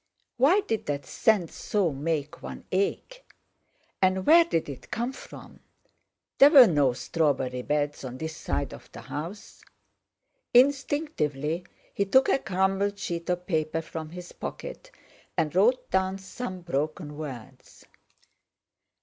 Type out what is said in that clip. Why did that scent so make one ache? And where did it come from—there were no strawberry beds on this side of the house. Instinctively he took a crumpled sheet of paper from his pocket, and wrote down some broken words.